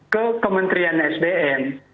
ke kementerian sdm